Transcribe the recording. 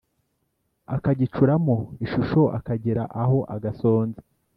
akagicuramo ishusho akagera aho agasonza